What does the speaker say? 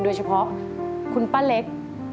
โดยเฉพาะคุณป้าเล็ก